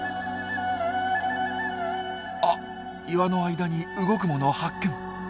あっ岩の間に動くもの発見。